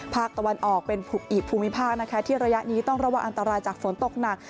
ภาคตะวันออกเป็นอีกภูมิภาคนะคะที่ระยะนี้ต้องระวังอันตรายจากฝนตกหนัก